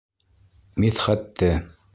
Мидхәтте!